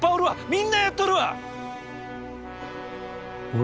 みんなやっとるわ！